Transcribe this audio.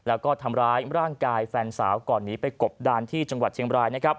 แล้วก็ทำร้ายร่างกายแฟนสาวก่อนไปกบดันที่เฉียงบราย